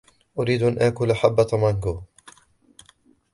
أريد أن آكل حبة مانغو.